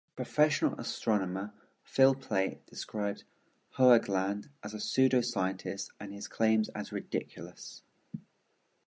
Professional astronomer Phil Plait described Hoagland as a pseudoscientist and his claims as ridiculous.